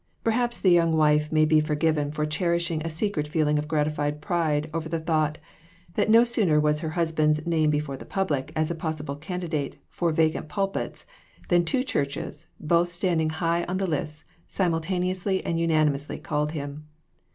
Perhaps the young wife may be forgiven for cherishing a secret feeling of gratified pride over the thought that no sooner was her husband's name before the public as a possible candidate for vacant pulpits than two churches, both stand ing high on the lists, simultaneously and unani mously called him.